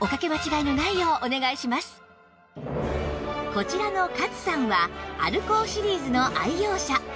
こちらの勝さんはアルコーシリーズの愛用者